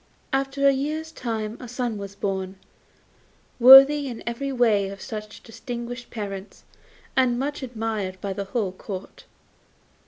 After a year's time a son was born, worthy in every way of such distinguished parents, and much admired by the whole Court.